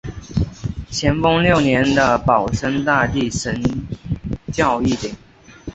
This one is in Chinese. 咸丰六年的保生大帝神轿一顶。